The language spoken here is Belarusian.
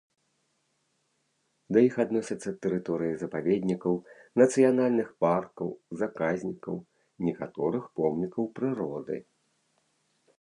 Да іх адносяцца тэрыторыі запаведнікаў, нацыянальных паркаў, заказнікаў, некаторых помнікаў прыроды.